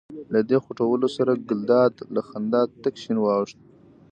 له دې خوټولو سره ګلداد له خندا تک شین واوښت.